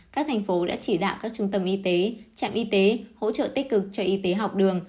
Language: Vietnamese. các thành phố đã chỉ đạo các trung tâm y tế trạm y tế hỗ trợ tích cực cho y tế học đường